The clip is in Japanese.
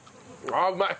ああうまい。